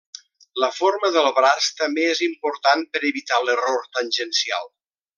La forma del braç també és important per evitar l'error tangencial.